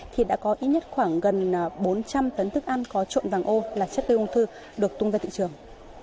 thì đã có ít nhất khoảng gần bốn trăm linh tấn thức ăn có trộn vàng ô là chất gây ung thư được tung ra thị trường